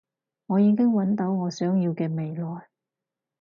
我已經搵到我想要嘅未來